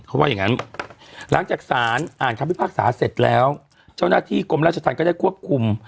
เขาว่าอย่างงั้นหลังจากสารอ่านคำพิพากษาเสร็จแล้วเจ้าหน้าที่กรมราชธรรมก็ได้ควบคุม